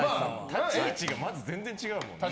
立ち位置がまず全然違うもんね。